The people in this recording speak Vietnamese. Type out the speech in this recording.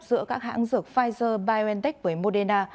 giữa các hãng dược pfizer biontech với moderna